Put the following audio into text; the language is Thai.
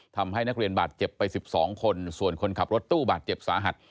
ทำให้นักเรียนบาดเจ็บไป๑๒คนส่วนคนขับรถตู้บาดเจ็บสาหัส